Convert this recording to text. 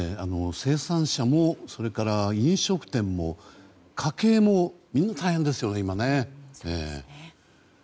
生産者も、それから、飲食店も家計も、みんな大変ですよ今ね。